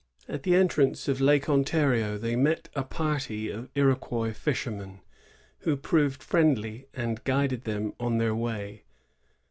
At the entrance of Lake Ontario they met a party of Iroquois fishermen, who proved friendly, and guided them on their way.